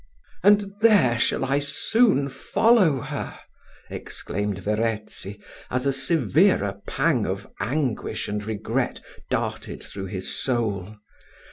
"And there shall I soon follow her," exclaimed Verezzi, as a severer pang of anguish and regret darted through his soul.